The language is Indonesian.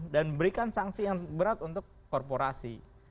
dan berikan sanksi yang berat untuk korporasi